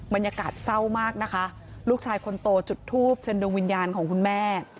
บรรยากาศเศร้ามากนะคะลูกชายคนโตจุดทูปเชิญดวงวิญญาณของคุณแม่